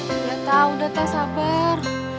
udah tau udah tau sabar